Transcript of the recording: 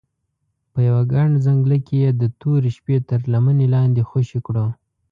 په یوه ګڼ ځنګله کې یې د تورې شپې تر لمنې لاندې خوشې کړو.